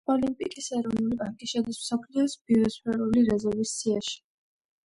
ოლიმპიკის ეროვნული პარკი შედის მსოფლიოს ბიოსფერული რეზერვის სიაში.